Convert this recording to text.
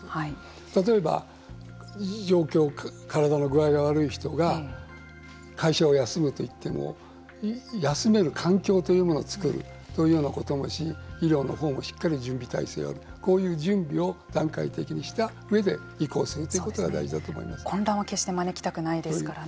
例えば、体の具合が悪い人が会社を休むといっても休める環境というものを作るというようなこともし医療のほうもしっかり準備体制をこういう準備を段階的にした上で移行するということが混乱は決して招きたくないですからね。